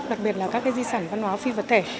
đặc biệt là các di sản văn hóa phi vật thể